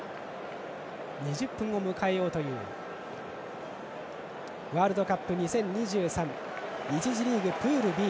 ２０分を迎えようというワールドカップ２０２３１次リーグ、プールＢ。